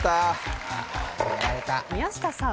宮下さん。